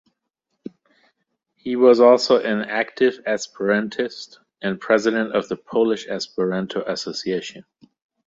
He was also an active Esperantist and president of the Polish Esperanto Association.